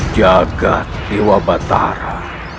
jaga dewa batara